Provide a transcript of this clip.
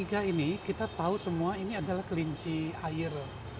nah dua ribu dua puluh tiga ini kita tahu semua ini adalah kelinci air